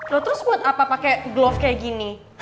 lo terus buat apa pake glove kayak gini